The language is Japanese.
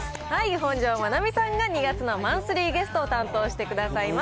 本上まなみさんが２月のマンスリーゲストを担当してくださいます。